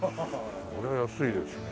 これは安いですね。